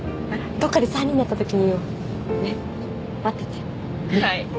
どっかで３人になったときに言うねっ待っててはい